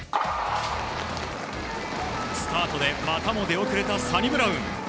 スタートでまたも出遅れたサニブラウン。